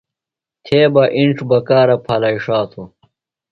تھےۡ بہ اِنڇ بکارہ پھالائی ݜاتوۡ۔